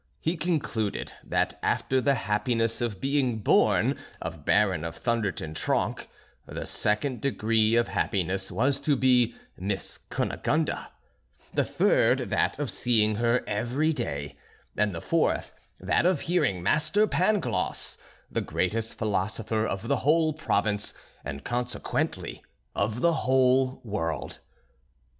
He concluded that after the happiness of being born of Baron of Thunder ten Tronckh, the second degree of happiness was to be Miss Cunegonde, the third that of seeing her every day, and the fourth that of hearing Master Pangloss, the greatest philosopher of the whole province, and consequently of the whole world.